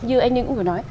như anh ấy cũng có nói